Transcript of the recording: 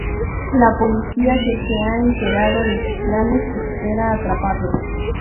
La policía, que se ha enterado de sus planes, espera atraparlo.